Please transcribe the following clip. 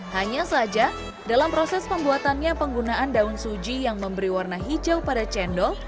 hanya saja dalam proses pembuatannya penggunaan daun suji yang memberi warna hijau pada cendol